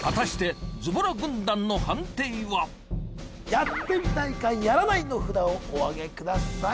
「やってみたい」か「やらない」の札をおあげください